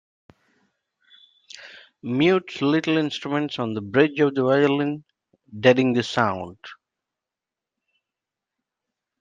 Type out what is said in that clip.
Mutes little instruments on the bridge of the violin, deadening the sound.